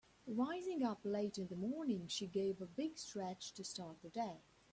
Rising up late in the morning she gave a big stretch to start the day.